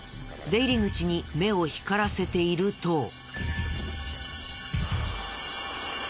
出入り口に目を光らせていると。